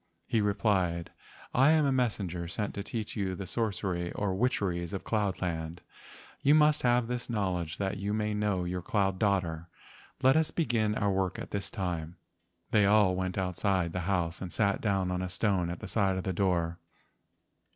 He replied: "I am a messenger sent to teach you the sorcery or witcheries of cloud land. You must have this knowledge that you may know your cloud daughter. Let us begin our work at this time." They all went outside the house and sat down on a stone at the side of the door.